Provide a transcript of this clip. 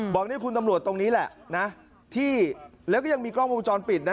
บอกนี่คุณตำรวจตรงนี้แหละนะที่แล้วก็ยังมีกล้องวงจรปิดนะ